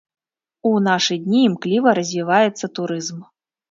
У нашы дні імкліва развіваецца турызм.